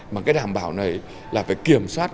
mà cái đảm bảo này là phải kiểm soát